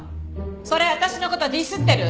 それ私の事ディスってる？